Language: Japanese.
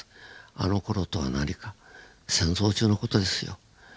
「あのころ」とは何か戦争中の事ですよ。